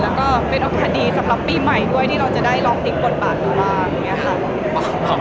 แล้วก็เป็นโอกาสดีสำหรับปีใหม่ด้วยที่เราจะได้ลองติ๊กบนปากพี่ปาก